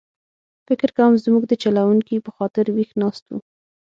فکر کووم زموږ د چلوونکي په خاطر ویښ ناست و.